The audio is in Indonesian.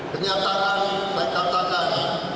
kenyataan saya katakan